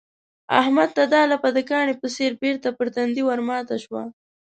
احمد ته دا لاپه د کاني په څېر بېرته پر تندي ورماته شوه.